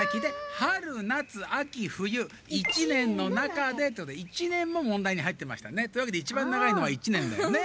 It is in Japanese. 春夏秋冬１年のなかでってことで１年ももんだいにはいってましたね。というわけでいちばん長いのは１年だよね。